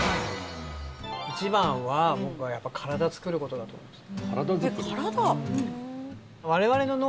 一番は、僕はやっぱり体を作ることだと思います。